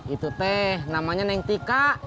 itu teh namanya neng tika